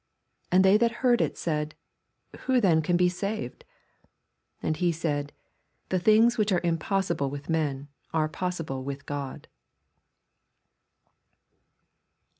26 And they that heard it said, Who then can be saved ? 27 And he said. The things which are inipossible with men are possible with God.